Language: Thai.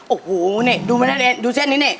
โอ้โหนี่นี่ดูเส้นนี้นี่